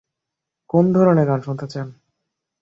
কোন ধরনের গান শুনতে চান?